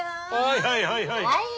はいはいはい。